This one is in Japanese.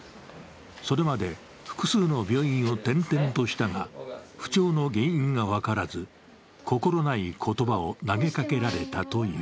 それまで複数の病院を転々としたが不調の原因が分からず心ない言葉を投げかけられたという。